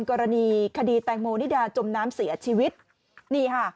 กรณีคดีแตงโมนิดาจมน้ำเสียชีวิตนี่ค่ะ